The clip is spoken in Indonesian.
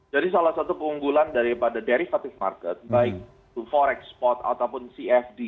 jadi salah satu keunggulan dari pada derivative market baik forex spot ataupun cfd